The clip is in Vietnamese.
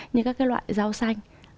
như các cái loại rau xanh